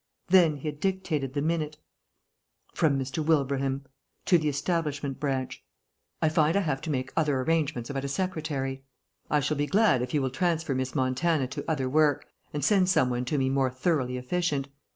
Then he had dictated the minute. "From Mr. Wilbraham. "To the Establishment Branch. "I find I have to make other arrangements about a secretary. I shall be glad if you will transfer Miss Montana to other work, and send some one to me more thoroughly efficient.